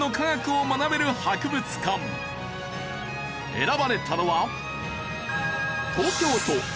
選ばれたのは。